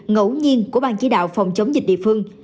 ngẫu nhiên của bang chỉ đạo phòng chống dịch địa phương